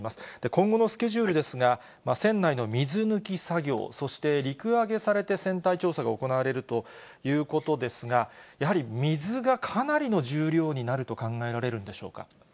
今後のスケジュールですが、船内の水抜き作業、そして陸揚げされて船体調査が行われるということですが、やはり水がかなりの重量になると考えられるんでしょうか。